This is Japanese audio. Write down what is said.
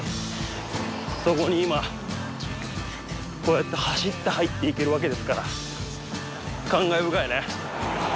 そこに今こうやって走って入っていけるわけですから感慨深いね。